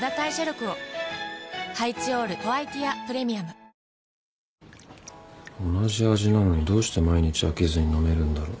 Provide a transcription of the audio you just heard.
ハロー同じ味なのにどうして毎日飽きずに飲めるんだろう。